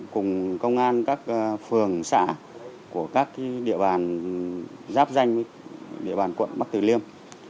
cùng công an các phường xã của các địa bàn giáp danh với địa bàn quận bắc tử liêm